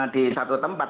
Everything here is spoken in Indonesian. di satu tempat